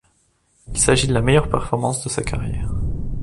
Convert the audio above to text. Il s'agit de la meilleure performance de sa carrière.